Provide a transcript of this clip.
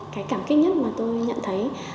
cái cảm kích nhất mà tôi nhận thấy